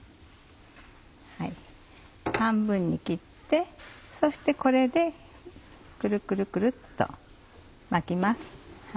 半分に切ってそしてこれでくるくるくるっと巻きます。